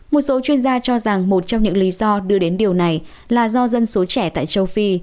một số chuyên gia cho rằng một trong những lý do đưa đến điều này là do dân số trẻ tại châu phi